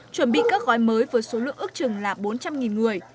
chuẩn bị các gói mới với số lượng ước chừng là bốn trăm linh người